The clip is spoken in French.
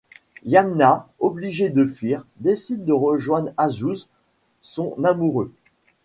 Yamna, obligée de fuir, décide de rejoindre Azzouz, son amoureux.